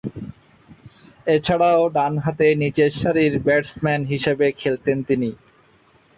এছাড়াও, ডানহাতে নিচেরসারির ব্যাটসম্যান হিসেবে খেলতেন তিনি।